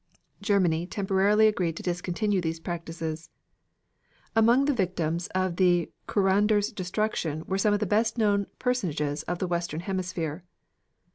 Germany temporarily agreed to discontinue these practices. Among the victims of the Cunarder's destruction were some of the best known personages of the Western Hemisphere.